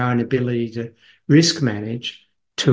dan kemampuan mereka sendiri untuk menguruskan risiko